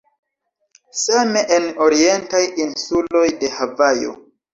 Same en orientaj insuloj de Havajo.